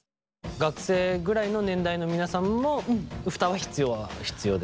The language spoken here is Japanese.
学生ぐらいの年代の皆さんもフタは必要は必要ですか？